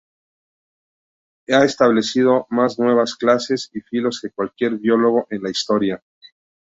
Ha establecido más nuevas clases y filos que cualquier biólogo en la historia.